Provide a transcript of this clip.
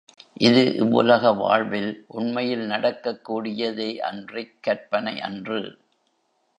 இது இவ்வுலக வாழ்வில் உண்மையில் நடக்கக் கூடியதே அன்றிக் கற்பனை அன்று.